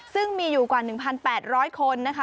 ซึ่งมีอยู่กว่า๑๘๐๐คนนะคะ